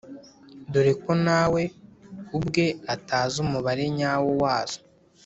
dore ko nawe ubwe atazi umubare nyawo wazo.